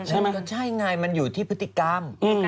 ใช่ไงมันอยู่ที่พฤติกรรม